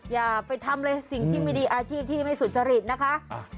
อย่าไปทำอะไรสิ่งที่ไม่ดีอาชีพที่ไม่สุจริตนะคะ